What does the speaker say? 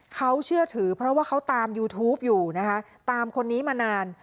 เขาเชื่อถือเพราะว่าเขาตามยูทูปอยู่นะคะตามคนนี้มานาน